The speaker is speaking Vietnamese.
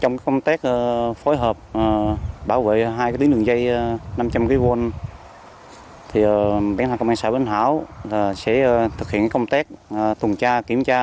trong công tác phối hợp bảo vệ hai tín đường dây năm trăm linh kv bến thành công an xã bến thảo sẽ thực hiện công tác tuần tra kiểm tra